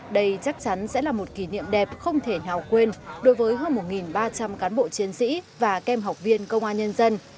đây chắc chắn sẽ là một kỷ niệm đẹp không thể nào quên đối với hơn một ba trăm linh cán bộ chiến sĩ và kem học viên công an nhân dân